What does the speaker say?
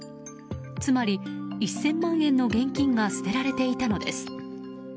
つまり１０００万円の現金が捨てられていたのです。